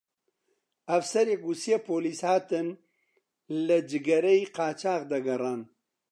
ئەفسەرێک و سێ پۆلیس هاتن لە جگەرەی قاچاغ دەگەڕان